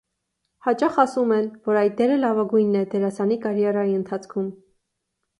Հաճախ ասում են, որ այդ դերը լավագույնն է դերասանի կարիերայի ընթացքում։